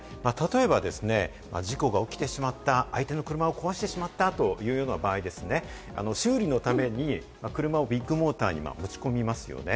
例えば、事故が起きてしまった相手の車を壊してしまったという場合、修理のために車をビッグモーターに持ち込みますよね。